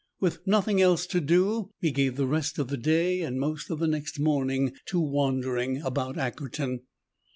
With nothing else to do, he gave the rest of the day and most of the next morning to wandering about Ackerton.